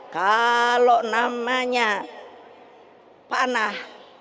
kalau namanya panah